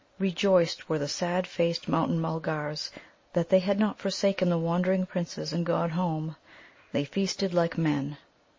Rejoiced were the sad faced Mountain mulgars that they had not forsaken the wandering Princes and gone home. They feasted like men.